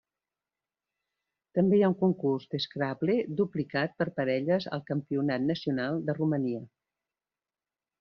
També hi ha un concurs de Scrabble duplicat per parelles al campionat nacional de Romania.